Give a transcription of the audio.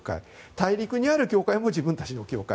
大陸にある教会も自分たちの教会。